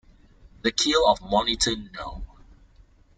The keel of Monitor No.